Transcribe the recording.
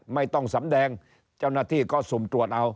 ไม่ต้องสำแดงเจ้าหน้าที่ก็สุ่มตรวจเอา